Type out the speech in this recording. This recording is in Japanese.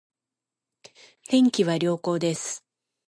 天気は良好です